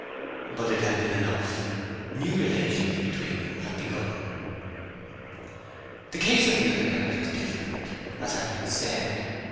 But it had been enough—new relations between them had begun. The case of the other girls was different, as has been said.